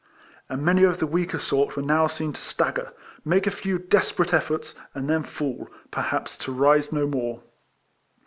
" and many of the weaker sort were now seen to stagger, make a few desperate efforts, and then fall, perhaps to rise no more.